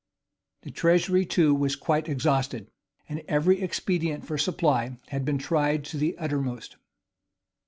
The treasury too was quite exhausted, and every expedient for supply had been tried to the uttermost.